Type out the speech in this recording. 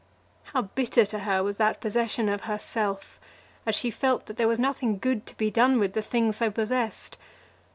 How bitter to her was that possession of herself, as she felt that there was nothing good to be done with the thing so possessed!